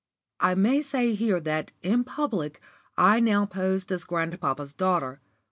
I may say here that, in public, I now posed as grandpapa's daughter.